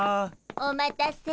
お待たせ。